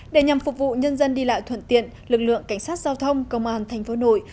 để nhằm phục vụ nhân dân đi lại thuận tiện lực lượng cảnh sát giao thông công an tp hà nội